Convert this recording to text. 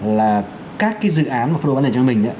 là các dự án mà phân lô bán này cho mình